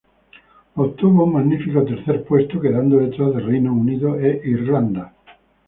Obtuvo un magnífico tercer puesto, quedando detrás de Reino Unido e Irlanda.